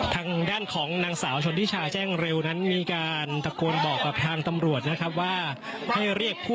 ทางด้านของนางสาวชนทิชาแจ้งเร็วนั้นมีการตะโกนบอกกับทางตำรวจนะครับว่าให้เรียกผู้